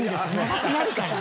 長くなるから。